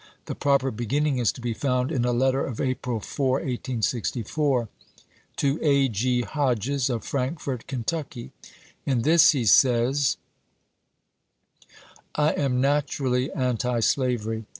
The proper beginning is to be found in a letter of April 4, 1864, to A. a. Hodges, of Frankfort, Kentucky. In this he says : I am naturally antislavery.